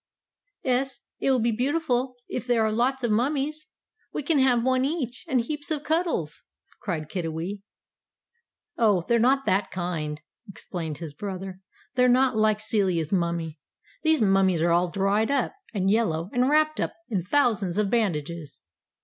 "'Es, it will be beautiful if there are lots of Mummies. We can have one each, and heaps of cuddles!" cried Kiddiwee. "Oh, they're not that kind," explained his brother. "They're not like Celia's mummie. These mummies are all dried up, and yellow, and wrapt up in thousands of bandages."